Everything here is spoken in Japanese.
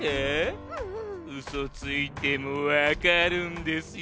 うそついてもわかるんですよ。